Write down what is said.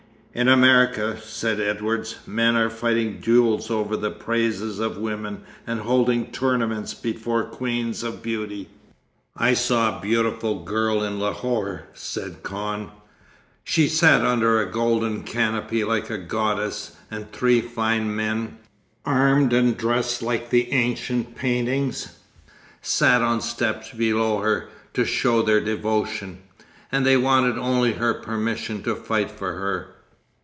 'In America,' said Edwards, 'men are fighting duels over the praises of women and holding tournaments before Queens of Beauty.' 'I saw a beautiful girl in Lahore,' said Kahn, 'she sat under a golden canopy like a goddess, and three fine men, armed and dressed like the ancient paintings, sat on steps below her to show their devotion. And they wanted only her permission to fight for her.